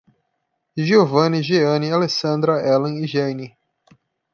Giovane, Geane, Alessandra, Elen e Jaine